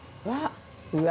うわ！